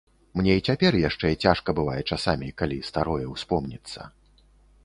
Мне й цяпер яшчэ цяжка бывае часамі, калі старое ўспомніцца.